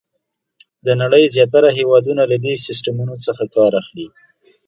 د نړۍ زیاتره هېوادونه له دې سیسټمونو څخه کار اخلي.